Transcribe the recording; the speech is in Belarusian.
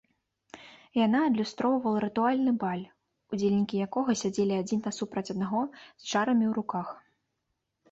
Яна адлюстроўвала рытуальны баль, удзельнікі якога сядзелі адзін насупраць аднаго з чарамі ў руках.